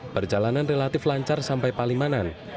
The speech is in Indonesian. perjalanan relatif lancar sampai palimanan